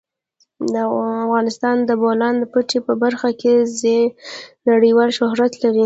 افغانستان د د بولان پټي په برخه کې نړیوال شهرت لري.